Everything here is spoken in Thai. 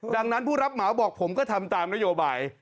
ดังนั้นผู้รับเหมาบอกผมก็ทำตามนโยบาย